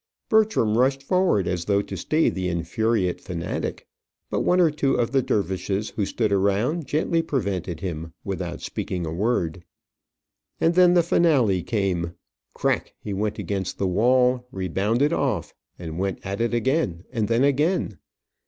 Bertram rushed forward as though to stay the infuriate fanatic, but one or two of the dervishes who stood around gently prevented him, without speaking a word. And then the finale came. Crack he went against the wall, rebounded off, and went at it again, and then again.